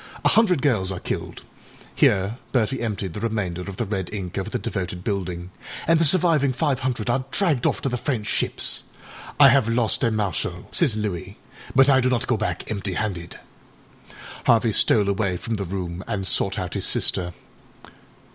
A hundred girls are killedââhere Bertie emptied the remainder of the red ink over the devoted buildingââand the surviving five hundred are dragged off to the French ships. âI have lost a Marshal,â says Louis, âbut I do not go back empty handed.ââ Harvey stole away from the room, and sought out his sister.